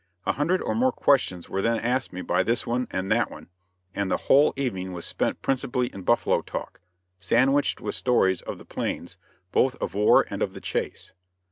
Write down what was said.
A hundred or more questions were then asked me by this one and that one, and the whole evening was spent principally in buffalo talk, sandwiched with stories of the plains both of war and of the chase.